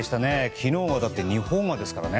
昨日２ホーマーですからね。